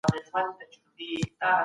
پروردګار انسان ته د مځکي واکداري ورکوي.